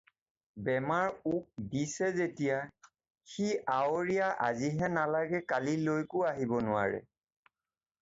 বেমাৰ উক দিছে যেতিয়া সি আৱৰীয়া আজি হে নালাগে কালিলৈকো আহিব নোৱাৰে।